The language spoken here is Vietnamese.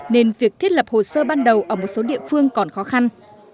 nên việc thiết lập hồ sơ ban bán